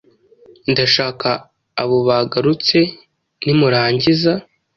Ndashaka abo bagarutse nimurangiza.